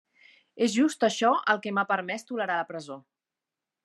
És just això el que m'ha permès tolerar la presó.